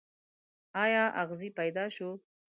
ایا اغزی پیدا شو.